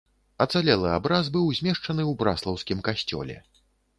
Ацалелы абраз быў змешчаны ў браслаўскім касцёле.